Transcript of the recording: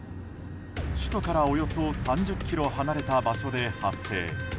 首都からおよそ３０ｋｍ離れた場所で発生。